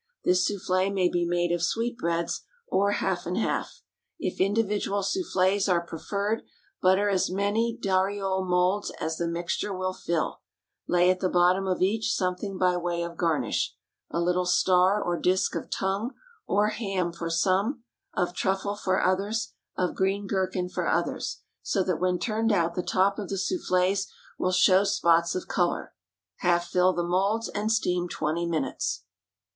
This soufflé may be made of sweetbreads, or half and half. If individual soufflés are preferred, butter as many dariole moulds as the mixture will fill; lay at the bottom of each something by way of garnish a little star or disk of tongue or ham for some, of truffle for others, of green gherkin for others so that when turned out the top of the soufflés will show spots of color. Half fill the moulds, and steam twenty minutes.